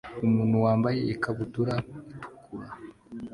Umuntu wambaye ikabutura itukura